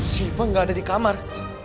syifa gak ada di kamar